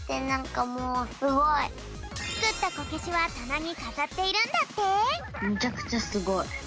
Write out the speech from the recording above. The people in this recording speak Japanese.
つくったこけしはたなにかざっているんだって。